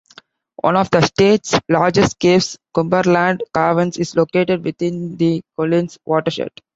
One of the state's largest caves, Cumberland Caverns, is located within the Collins watershed.